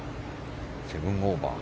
７オーバー。